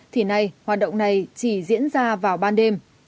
thì nay hoạt động này chỉ diễn ra vào ban đêm